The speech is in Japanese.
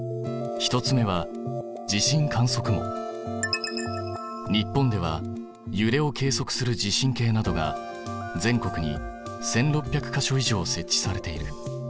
１つ目は日本ではゆれを計測する地震計などが全国に１，６００か所以上設置されている。